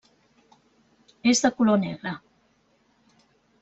És de color negre.